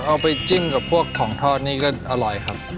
เอาไปจิ้มกับพวกของทอดนี่ก็อร่อยครับ